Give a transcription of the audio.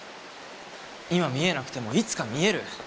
今見えなくてもいつか見える。